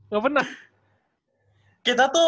gak pernah kita tuh